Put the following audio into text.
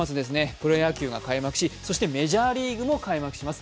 プロ野球が開幕し、メジャーリーグも開幕します。